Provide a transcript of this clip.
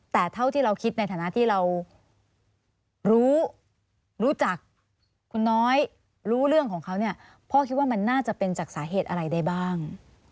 แต่เท่าที่เราคิดในฐานะที่เรารู้รู้จักคุณน้อยรู้เรื่องของเขาเนี่ยพ่อคิดว่ามันน่าจะเป็นจากสาเหตุอะไรได้บ้าง